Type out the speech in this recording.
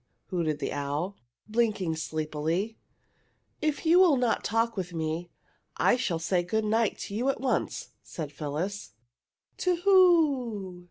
hooted the owl, blinking sleepily. "If you will not talk with me I shall say good night to you at once!" said Phyllis. "To who?